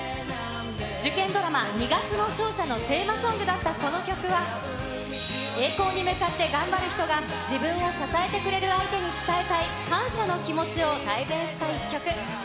受験ドラマ、２月の勝者のテーマソングだったこの曲は、栄光に向かって頑張る人が、自分を支えてくれる相手に伝えたい、感謝の気持ちを代弁した１曲。